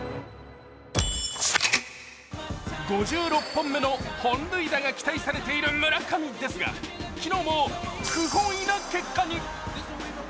５６本目の本塁打が期待されている村上ですが今日も不本意な結果に。